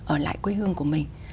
ở lại quê hương của mình